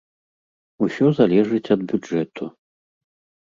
Усё залежыць ад бюджэту.